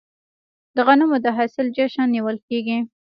د غنمو د حاصل جشن نیول کیږي.